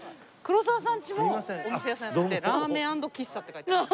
黒沢さんちもお店屋さんやってて「ラーメン＆喫茶」って書いてある。